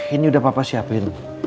ini udah papa siapin